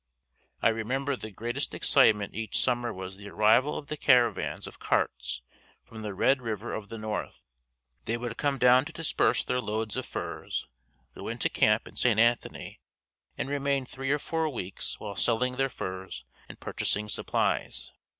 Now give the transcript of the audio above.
I remember the greatest excitement each summer was the arrival of the caravans of carts from the Red River of the North. They would come down to disperse their loads of furs, go into camp in St. Anthony and remain three or four weeks while selling their furs and purchasing supplies.